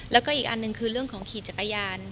แล้วก็อีกอันหนึ่งคือเรื่องของขี่จักรยาน